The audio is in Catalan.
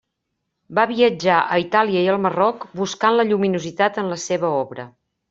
Va viatjar a Itàlia i al Marroc buscant la lluminositat en la seva obra.